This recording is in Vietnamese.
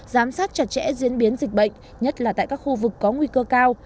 giám sát chặt chẽ diễn biến dịch bệnh nhất là tại các khu vực có nguy cơ cao